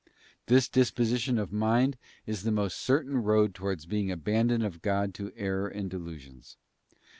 This disposition of mind is the most certain road towards being abandoned of God to error and delusions.